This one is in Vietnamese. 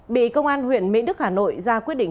bị công an huyện mỹ đức hà nội ra quyết định